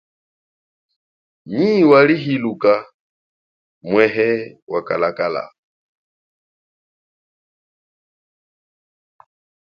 Nyi wa hiluka mwehe wa kalakala.